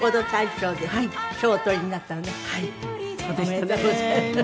おめでとうございます。